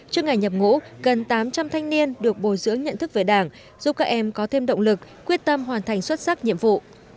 trước ngày nhập ngũ gần tám trăm linh thanh niên được bồi dưỡng nhận thức về đảng giúp các em có thêm động lực quyết tâm hoàn thành xuất sắc nhiệm vụ